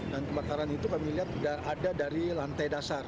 dan kebakaran itu kami lihat sudah ada dari lantai dasar